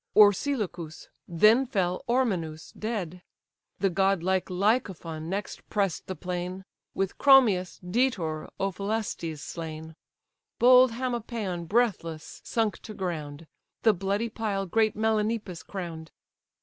Orsilochus; then fell Ormenus dead: The godlike Lycophon next press'd the plain, With Chromius, Daetor, Ophelestes slain: Bold Hamopaon breathless sunk to ground; The bloody pile great Melanippus crown'd.